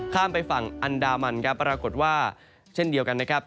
ข้ามไปฝั่งอันดามันครับปรากฏว่าเช่นเดียวกันนะครับ